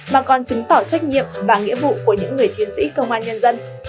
mà còn chứng tỏ trách nhiệm và nghĩa vụ của những người chiến sĩ công an nhân dân